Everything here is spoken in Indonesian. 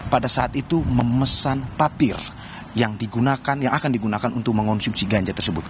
pada saat itu memesan tapir yang digunakan yang akan digunakan untuk mengonsumsi ganja tersebut